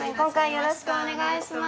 よろしくお願いします。